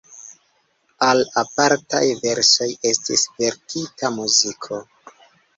Al apartaj verso estis verkita muziko.